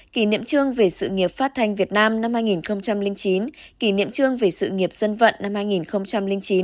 kỷ niệm trương về sự nghiệp phát thanh việt nam năm hai nghìn chín kỷ niệm trương về sự nghiệp dân vận năm hai nghìn chín